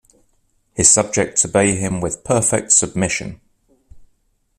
His subjects obey him with perfect submission.